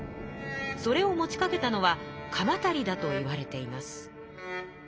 それを持ちかけたのは鎌足だといわれています。